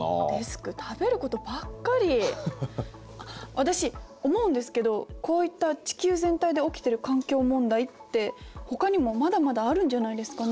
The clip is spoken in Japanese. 私思うんですけどこういった地球全体で起きてる環境問題ってほかにもまだまだあるんじゃないですかね？